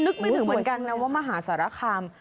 ไม่ถึงเหมือนกันนะว่ามหาสารคาม